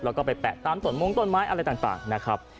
แล้วก็ไปแปะตามตนมงต้นไม้อะไรต่างนะครับ